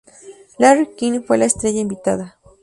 Larry King fue la estrella invitada.